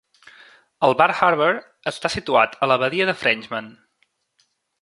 El Bar Harbor està situat a la badia de Frenchman.